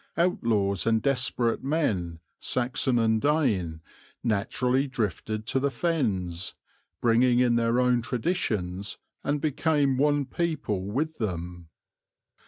Outlaws and desperate men, Saxon and Dane, naturally drifted to the Fens, bringing in their own traditions, and became one people with them.